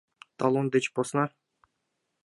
— Талон деч посна?